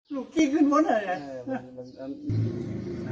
ลูกกิ้วขึ้นมาเลยนะ